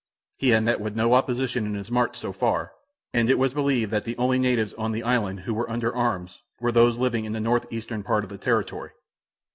He had met with no opposition in his march, so far, and it was believed that the only natives on the island who were under arms were those living in the northeastern part of the territory.